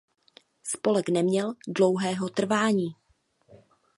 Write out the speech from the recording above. Spolek neměl dlouhého trvání.